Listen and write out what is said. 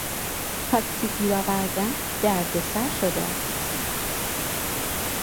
تاکسی گیر آوردن دردسر شده است.